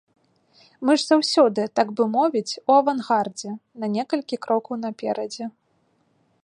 Мы ж заўсёды, так бы мовіць, у авангардзе, на некалькі крокаў наперадзе.